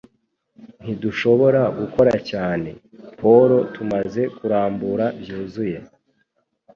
Ntidushobora gukora cyane, Paul Tumaze kurambura byuzuye